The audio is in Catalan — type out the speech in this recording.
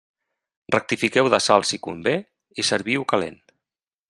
Rectifiqueu de sal si convé i serviu-ho calent.